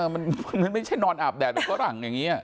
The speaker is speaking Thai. มันไม่ใช่นอนอาบแดดมันฝรั่งอย่างนี้